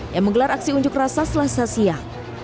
yang menggelar aksi unjuk rasa selasa siang